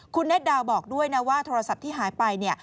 คุณนัทดาวบอกด้วยนะว่าโทรศัพท์ที่หายไป